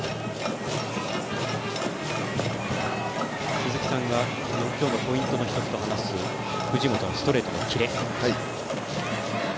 鈴木さんは今日のポイントの一つと話す藤本のストレートのキレ。